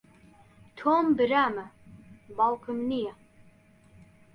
تۆم برامە، باوکم نییە.